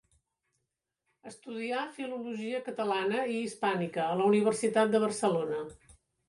Estudià filologia catalana i hispànica a la Universitat de Barcelona.